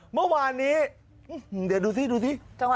เมื่อวานนี้เดี๋ยวดูสิดูสิ